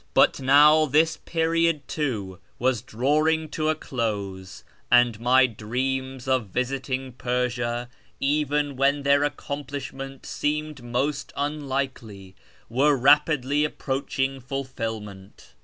r.ul now this period, too, uas drawing to a close, and my dreams of visiting Persia, even when tlicir accomplislnnent seemed most unlikely, were rapidly approaching fulfilment.